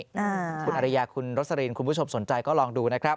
คุณอริยาคุณรสลินคุณผู้ชมสนใจก็ลองดูนะครับ